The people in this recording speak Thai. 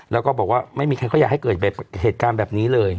แล้วก็บอกว่าไม่มีใครเขาอยากให้เกิดเหตุการณ์แบบนี้เลย